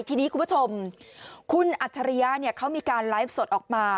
ทีนี้คุณผู้ชมคุณอัจฉริยะเขามีการไลฟ์สดออกมา